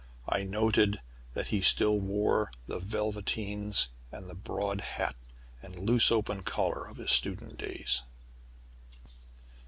I noted that he still wore the velveteens and the broad hat and loose open collar of his student days.